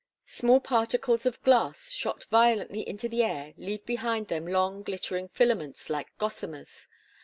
Small particles of glass shot violently into the air leave behind them long, glittering filaments, like gossamers.